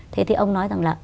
thế thì ông nói rằng là